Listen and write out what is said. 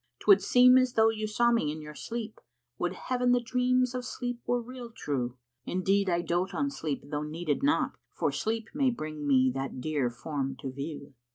'Twould seem as though you saw me in your sleep; * Would Heaven the dreams of sleep were real true! Indeed I dote on sleep though needed not, * For sleep may bring me that dear form to view."